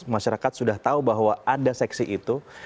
masyarakat sudah tahu bahwa ada seksi itu